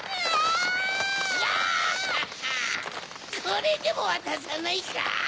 これでもわたさないか？